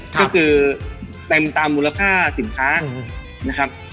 ก็คือเต็มตามมูลค่าสินค้านะครับ